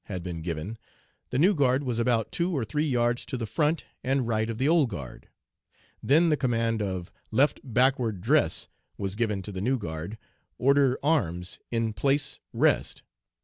had been given, the new guard was about two or three yards to the front and right of the old guard. Then the command of "Left backward, dress," was given to the new guard, "Order arms, in place rest."